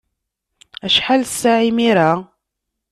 Acḥal ssaɛa imir-a?